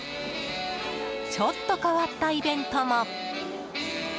ちょっと変わったイベントも。